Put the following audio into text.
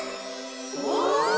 お！